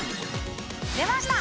出ました！